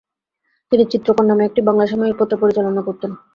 তিনি ‘চিত্রকর’ নামে একটি বাংলা সাময়িকপত্র পরিচালনা করতেন।